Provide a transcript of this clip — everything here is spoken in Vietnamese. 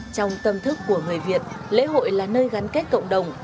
trong tâm thức của người việt lễ hội là nơi gắn kết cộng đồng